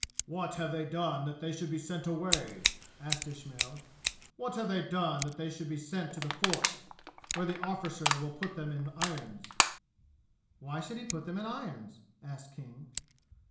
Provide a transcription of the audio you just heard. "What have they done that they should be sent away?" asked Ismail. "What have they done that they should be sent to the fort, where the arrficer will put them in irons?" "Why should he put them in irons?" asked King.